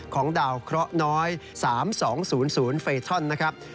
ของดาวเคราะห์น้อย๓๒๐๐เฟทอนนะครับ